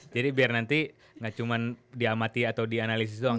jadi biar nanti gak cuman diamati atau dianalisis doang